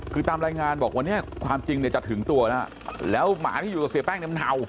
คือตามรายงานบอกวันนี้ความจริงเนี่ยจะถึงตัวแล้วแล้วหมาที่อยู่กับเสียแป้งเนี่ยมันเนา